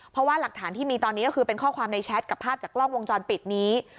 เพราะว่าหลักฐานที่มีตอนนี้ก็คือเป็นข้อความในแชทกับภาพจากกล้องวงจรปิดนี้